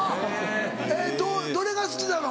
えっどれが好きなの？